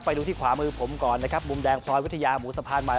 ไปดูที่ขวามือผมก่อนนะครับมุมแดงพลอยวิทยาหมูสะพานใหม่